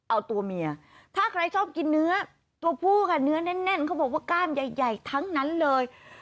เอาตัวเมียถ้าใครชอบกินเนื้อตัวผู้ค่ะเนื้อแน่นเขาบอกว่ากล้ามใหญ่ทั้งนั้นเลย